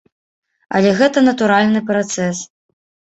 Але гэта натуральны працэс.